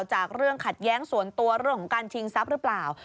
จากเรื่องขัดแย้งส่วนตัวเรื่องของการชิงทรัพย์หรือเปล่า